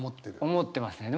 思ってますね。